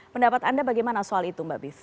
pendapat anda bagaimana soal itu mbak b code